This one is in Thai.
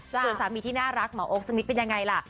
ส่วนสามีที่น่ารักหมอโอ๊คสมิทเป็นยังไงล่ะ